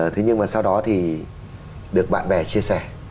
thế nhưng mà sau đó thì được bạn bè chia sẻ